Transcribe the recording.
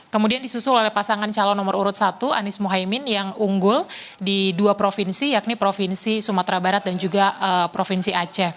kemudian disusul oleh pasangan calon nomor urut satu anies mohaimin yang unggul di dua provinsi yakni provinsi sumatera barat dan juga provinsi aceh